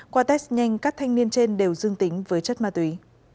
qua test nhanh các thanh niên trên đều dương tính với chất ma túy